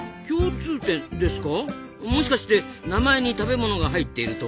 もしかして名前に食べ物が入っているとか？